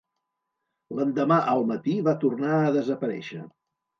L'endemà al matí va tornar a desaparèixer.